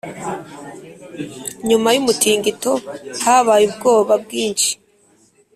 nyuma y’umutingito habaye ubwoba bwinshi